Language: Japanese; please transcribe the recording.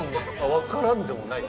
分からんでもないよ。